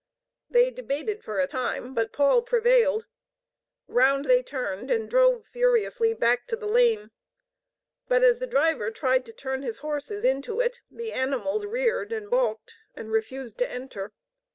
They debated for a time, but Paul prevailed. Round they turned and drove furiously back to the lane. But as the driver tried to turn his horses into it, the animals reared and balked and refused to enter.